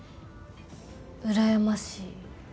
うらやましい？